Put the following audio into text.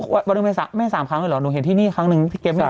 วันนี้ไม่ได้สามครั้งหรือเหรอหนูเห็นที่นี่ครั้งหนึ่ง